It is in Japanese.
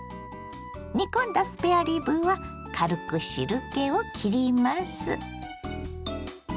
煮込んだスペアリブは軽く汁けをきります。